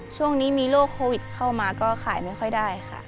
ช่วงนี้มีโรคโควิดเข้ามาก็ขายไม่ค่อยได้ค่ะ